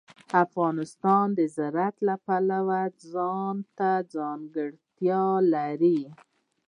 افغانستان د زراعت له پلوه ځانته ځانګړتیا لري.